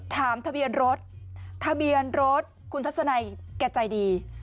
ทะเบียนรถทะเบียนรถคุณทัศนัยแกใจดี